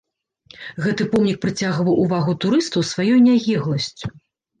Гэты помнік прыцягваў увагу турыстаў сваёй нягегласцю.